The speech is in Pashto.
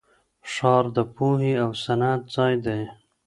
ښار د پوهې او صنعت ځای دی.